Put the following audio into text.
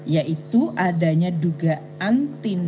yaitu adanya dugaan tim